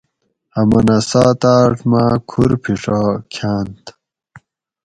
ہمنہ سات آڄ ماۤ کُھر پِھڛا کھاۤنت